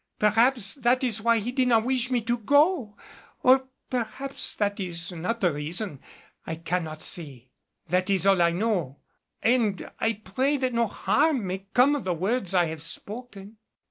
Perhaps that is why he did not wish me to go; or perhaps that is not the reason, I cannot say. That is all I know, and I pray that no harm may come of the words I have spoken."